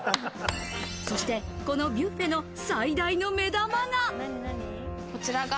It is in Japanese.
そしてこのビュッフェの最大の目玉が。